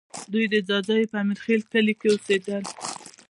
دوی د ځاځیو په امیرخېل کلي کې اوسېدل